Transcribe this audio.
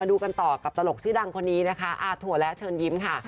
ดูกันต่อกับตลกชื่อดังคนนี้นะคะอาถั่วและเชิญยิ้มค่ะ